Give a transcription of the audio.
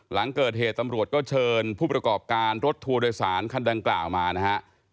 หลังเกิดเหตุตำรวจก็เชิญผู้ประกอบการรถทัวร์โดยสารคันดังกล่าวมานะฮะ